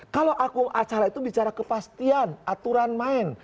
kalau akung acara itu bicara kepastian aturan main